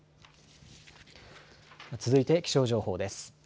続いて気象情報です。